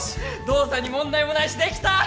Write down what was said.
動作に問題もないしできたー！